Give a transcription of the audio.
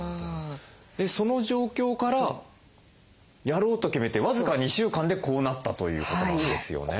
その状況からやろうと決めて僅か２週間でこうなったということなんですよね。